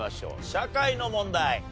社会の問題。